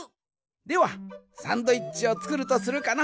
ではサンドイッチをつくるとするかな。